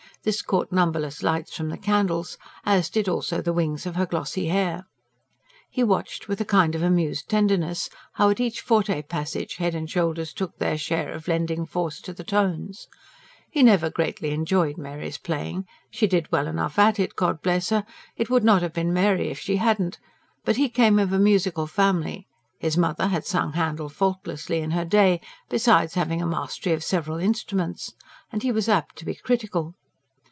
This caught numberless lights from the candles, as did also the wings of her glossy hair. He watched, with a kind of amused tenderness, how at each forte passage head and shoulders took their share of lending force to the tones. He never greatly enjoyed Mary's playing. She did well enough at it, God bless her! it would not have been Mary if she hadn't but he came of a musical family; his mother had sung Handel faultlessly in her day, besides having a mastery of several instruments: and he was apt to be critical.